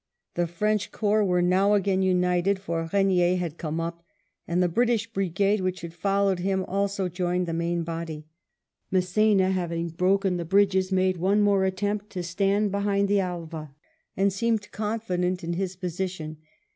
The French corps were now again united, for Eegnier had come up, and the British brigade which had followed him also joined the main body. Mass^na having broken the bridges made one more attempt to stand behind the Alva, and seemed confident in his position.